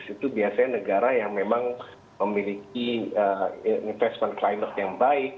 itu biasanya negara yang memang memiliki investment climate yang baik